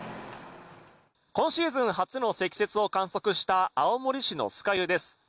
今シーズン初の積雪を観測した青森市の酸ヶ湯です。